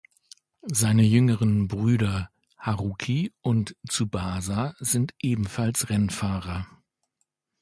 Seine jüngeren Brüder Haruki und Tsubasa sind ebenfalls Rennfahrer.